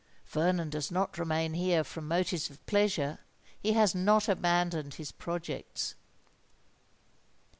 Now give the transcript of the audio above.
"Vernon does not remain here from motives of pleasure: he has not abandoned his projects."